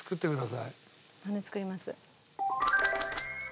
羽根作ります。